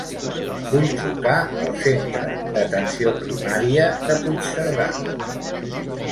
Vull trucar al centre d'atenció primària de Puigcerdà.